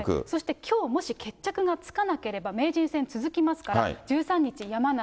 きょうもし決着がつかなければ、名人戦続きますから、１３日、山梨。